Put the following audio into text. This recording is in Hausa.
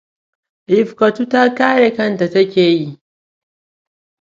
Rifkatu ta kare kanta take yi.